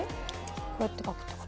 こうやって書くって事？